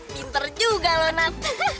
pinter juga lo nat